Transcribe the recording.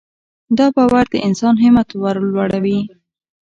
دا باور د انسان همت ورلوړوي.